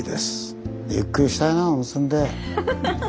ゆっくりしたいな温泉で。